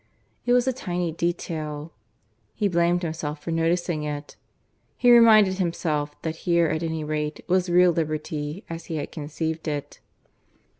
It was a tiny detail; he blamed himself for noticing it. He reminded himself that here, at any rate, was real liberty as he had conceived it.